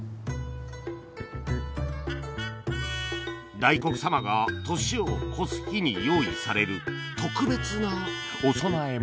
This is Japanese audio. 大黒様が年を越す日に用意される特別なお供え物